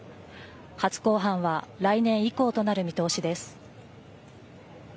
初公判は来年以降となる見通しです。